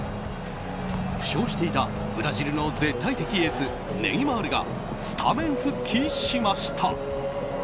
負傷していたブラジルの絶対的エースネイマールがスタメン復帰しました。